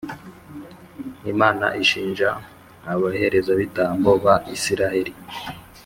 Imana ishinja abaherezabitambo ba Israheli